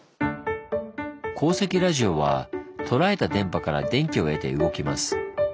鉱石ラジオは捉えた電波から電気を得て動きます。